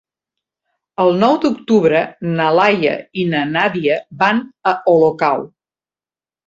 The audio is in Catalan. El nou d'octubre na Laia i na Nàdia van a Olocau.